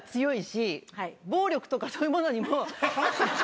暴力とかそういうものにも。